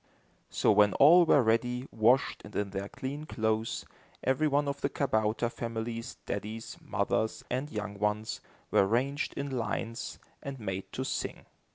So when all were ready, washed, and in their clean clothes, every one of the kabouter families, daddies, mothers, and young ones, were ranged in lines and made to sing.